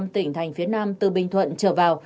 hai mươi năm tỉnh thành phía nam từ bình thuận trở vào